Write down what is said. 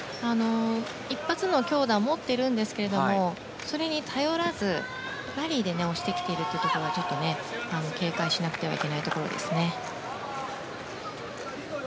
一発の強打を持ってるんですがそれに頼らずラリーで押してきているところが警戒しなくてはいけないところですね。